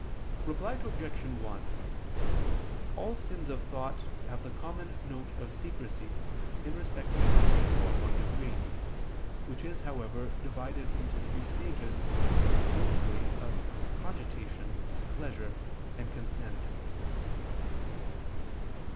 Reply Obj. 1: All sins of thought have the common note of secrecy, in respect of which they form one degree, which is, however, divided into three stages, viz. of cogitation, pleasure, and consent.